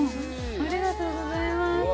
ありがとうございます。